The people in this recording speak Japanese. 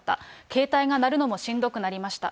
携帯が鳴るのもしんどくなりました。